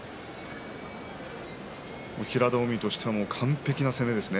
平戸海としても完璧な攻めですね。